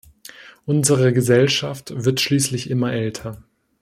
Unsere Gesellschaft wird schließlich immer älter.